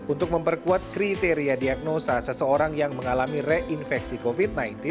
untuk memperkuat kriteria diagnosa seseorang yang mengalami reinfeksi covid sembilan belas